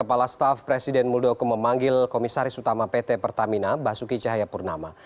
kepala staf presiden muldoko memanggil komisaris utama pt pertamina basuki cahayapurnama